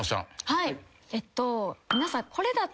はい。